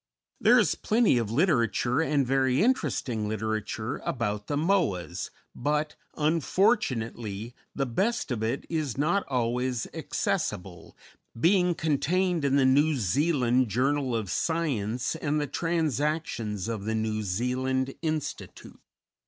_ _There is plenty of literature, and very interesting literature, about the Moas, but, unfortunately, the best of it is not always accessible, being contained in the "New Zealand Journal of Science" and the "Transactions of the New Zealand Institute."